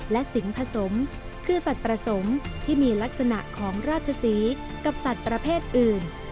และสิงผสมคือสัตว์ประสงค์ที่มีลักษณะของราชศรีกับสัตว์ประเภทอื่น